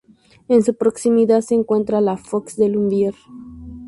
En su proximidad se encuentra la Foz de Lumbier.